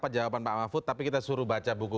jawaban pak mahfud tapi kita suruh baca buku